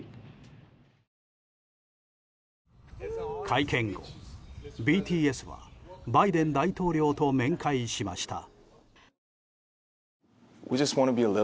会見後、ＢＴＳはバイデン大統領と面会しました。